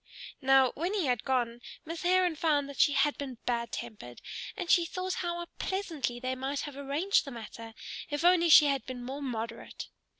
Now when he had gone Miss Heron found that she had been bad tempered, and she thought how pleasantly they might have arranged the matter if only she had been more moderate.